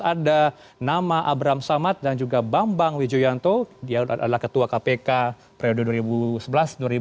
ada nama abraham samad dan juga bambang wijoyanto adalah ketua kpk periode dua ribu sebelas dua ribu empat belas